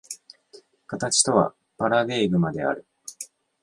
形とはパラデーグマである。